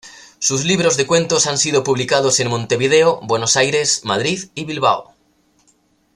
Sus libros de cuentos han sido publicados en Montevideo, Buenos Aires, Madrid y Bilbao.